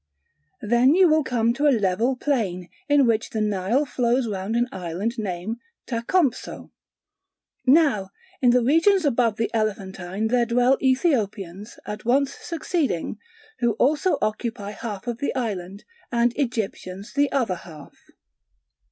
Then you will come to a level plain, in which the Nile flows round an island named Tachompso. (Now in the regions above the Elephantine there dwell Ethiopians at once succeeding, who also occupy half of the island, and Egyptians the other half.)